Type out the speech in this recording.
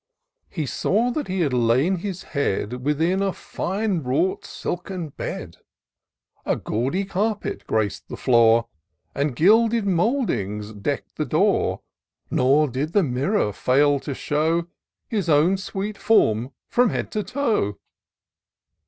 He saw that he had laid his head Within a fine wrought silken bed : A gaudy carpet grac'd the floor, And^ded mouldings deck'd the door. Nor did the mirror fail to show His own sweet form from top to toe.